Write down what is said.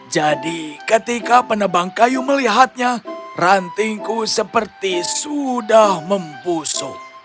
jadi ketika penebang kayu melihatnya rantingku seperti sudah membusuk